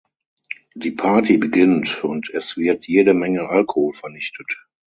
Die Party beginnt und es wird jede Menge Alkohol vernichtet.